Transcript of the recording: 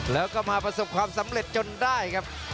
แล้วก็มาประสบความสำเร็จจนได้ครับ